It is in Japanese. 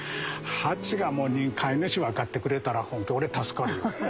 蜂が飼い主分かってくれたらホント俺助かるよ。